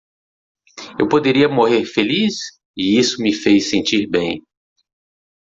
Eu poderia morrer feliz? e isso me fez sentir bem.